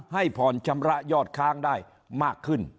ให้ผ่อนชำระยอดค้างได้มากขึ้น